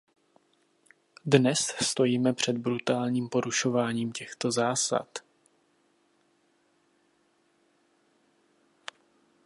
Dnes stojíme před brutálním porušováním těchto zásad.